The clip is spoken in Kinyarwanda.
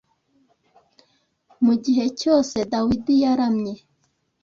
Mu gihe cyose Dawidi yaramye